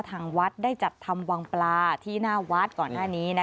ทางวัดได้จัดทำวังปลาที่หน้าวัดก่อนหน้านี้